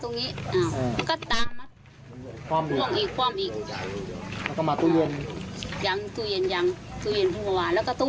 จนไม่ปิดตาทำอะไรก็ว่าเป็นเรื่อยท่านไข่นี่เลย